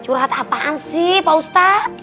curhat apaan sih pak ustadz